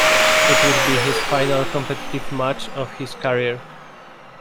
It would be his final competitive match of his career.